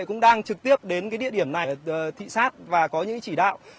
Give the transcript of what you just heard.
cũng đang trực tiếp đến cái địa điểm này thị xác và có những chỉ đạo